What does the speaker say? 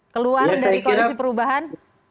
keluar dari koalisi perubahan